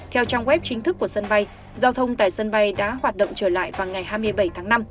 theo trang web chính thức của sân bay giao thông tại sân bay đã hoạt động trở lại vào ngày hai mươi bảy tháng năm